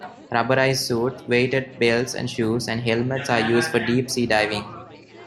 Rubberized suits, weighted belts and shoes, and helmets are used for deep sea diving.